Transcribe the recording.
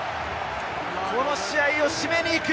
この試合を締めに行く！